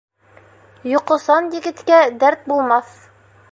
Йоҡосан егеткә дәрт булмаҫ.